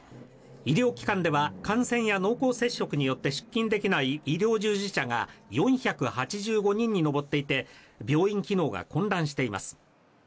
医療機関では感染や濃厚接触によって出勤できない医療従事者が４８５人に上っていて病院機能が混乱しています。